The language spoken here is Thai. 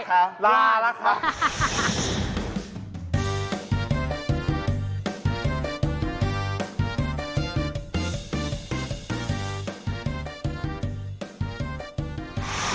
ค่ะลาละครับ